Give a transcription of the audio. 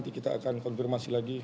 kita akan mengaktifkan lagi